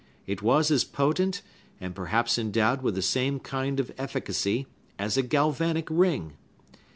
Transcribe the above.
It was as potent, and perhaps endowed with the same kind of efficacy, as a galvanic ring!